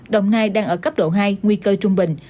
đồng nai đang ở cấp độ hai nguy cơ trung bình